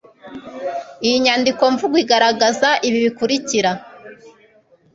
iyi nyandikomvugo igaragaza ibi bikurikira